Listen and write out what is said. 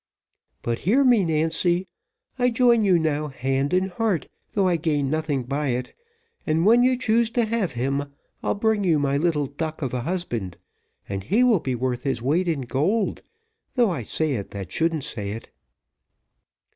But hear me, Nancy; I join you now hand and heart, though I gain nothing by it; and when you choose to have him, I'll bring you my little duck of a husband, and he will be worth his weight in gold, though I say it that shouldn't say it."